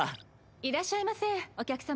いらっしゃいませお客様。